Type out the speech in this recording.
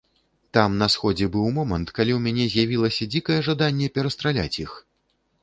Там на сходзе быў момант, калі ў мяне з'явілася дзікае жаданне перастраляць іх.